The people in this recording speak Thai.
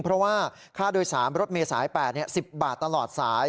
เพราะว่าค่าโดยสารรถเมษาย๘๐บาทตลอดสาย